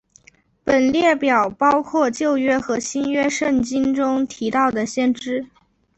本列表包括旧约和新约圣经中提到的先知。